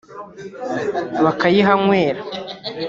bakayihanywera